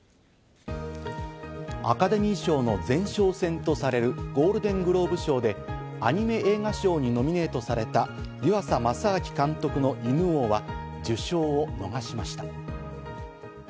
アカデミー賞の前哨戦とされるゴールデングローブ賞で、アニメ映画賞にノミネートされた、湯浅政明監督の『犬王』は受賞を逃しました。